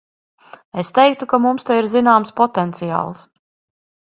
Es teiktu, ka mums te ir zināms potenciāls.